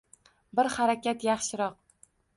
Bir harakat yaxshiroq.